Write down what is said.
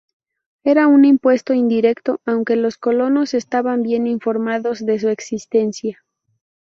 Era un impuesto indirecto, aunque los colonos estaban bien informados de su existencia.